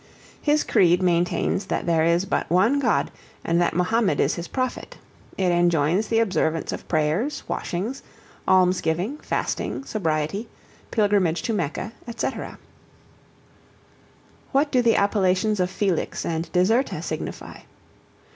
His creed maintains that there is but one God, and that Mahomed is his Prophet; it enjoins the observance of prayers, washings, almsgiving, fasting, sobriety, pilgrimage to Mecca, &c. What do the appellations of Felix and Deserta signify?